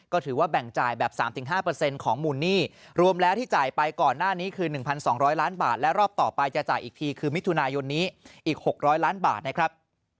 ก็ถือว่าแบ่งจ่ายแบบ๓๕ของมูลหนี้รวมแล้วที่จ่ายไปก่อนหน้านี้คือ๑๒๐๐ล้านบาทและรอบต่อไปจะจ่ายอีกทีคือมิถุนายนนี้อีก๖๐๐ล้านบาทนะครับ